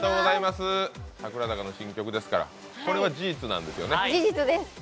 櫻坂の新曲ですからそれは事実なんですよね？